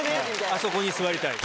あそこに座りたい。